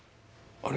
あれ？